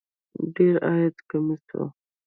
ډېر عادي کمیس و.